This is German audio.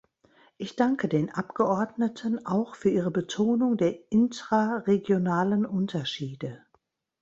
Ich danke den Abgeordneten auch für ihre Betonung der intraregionalen Unterschiede.